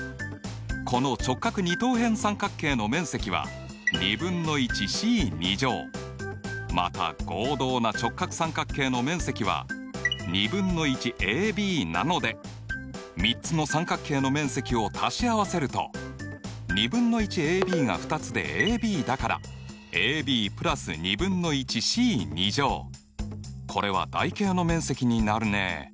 この直角二等辺三角形の面積はまた合同な直角三角形の面積は３つの三角形の面積を足し合わせると２分の１ａｂが２つでａｂだからこれは台形の面積になるね。